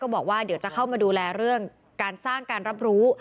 บอกว่าเดี๋ยวจะเข้ามาดูแลเรื่องการสร้างการรับรู้